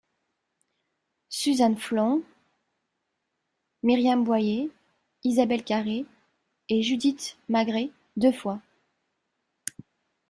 Suzanne Flon, Myriam Boyer, Isabelle Carré et Judith Magre deux fois.